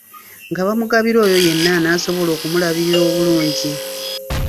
Nga bamugabira oyo yenna anasobola okumulabirira obulungi.